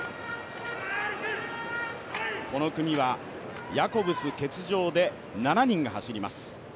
この組はヤコブス欠場で７人が走ります。